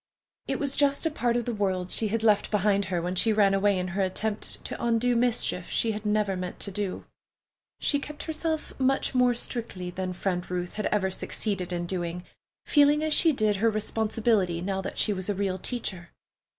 It was just a part of the world she had left behind her when she ran away in her attempt to undo mischief she had never meant to do. She kept herself much more strictly than Friend Ruth had ever succeeded in doing, feeling as she did her responsibility, now that she was a real teacher.